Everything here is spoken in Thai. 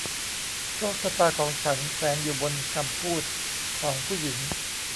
โชคชะตาของฉันแขวนอยู่บนคำพูดของผู้หญิง